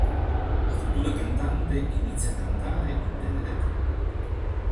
La futura cantante inizia a cantare in tenera età.